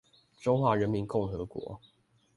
中華人民共和國